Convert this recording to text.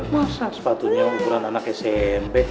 masak sepatunya ukuran anak smp